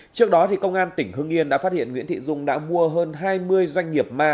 trước đó công an tỉnh hưng yên đã phát hiện nguyễn thị dung đã mua hơn hai mươi doanh nghiệp ma